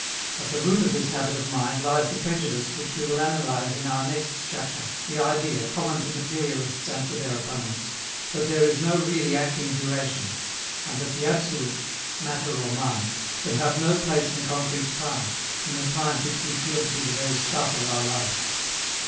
At the root of this habit of mind lies the prejudice which we will analyze in our next chapter, the idea, common to materialists and to their opponents, that there is no really acting duration, and that the absolute matter or mind can have no place in concrete time, in the time which we feel to be the very stuff of our life.